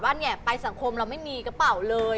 เนี่ยไปสังคมเราไม่มีกระเป๋าเลย